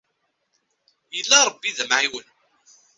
Yella Rebbi d amεiwen.